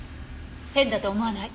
変だと思わない？